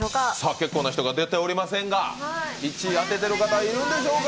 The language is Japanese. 結構な人が出ておりませんが、１位当ててる方いるのでしょうか。